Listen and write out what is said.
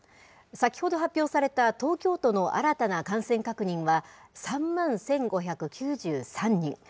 先ほど発表された東京都の新たな感染確認は３万１５９３人。